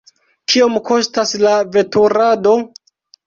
Kiom kostas la veturado?